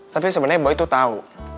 tapi sebenernya boy tuh tau